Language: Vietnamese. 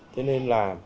thế nên là